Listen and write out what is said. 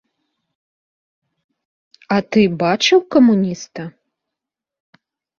А ты бачыў камуніста?